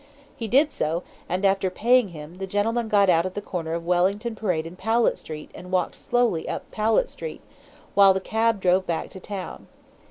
He did so, and, after paying him, the gentleman got out at the corner of Wellington Parade and Powlett Street and walked slowly up Powlett Street, while the cab drove back to town.